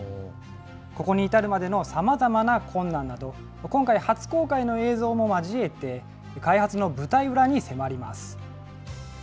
ここに至るまでのさまざまな困難など、今回、初公開の映像も交えて、開発の舞台裏に迫ります。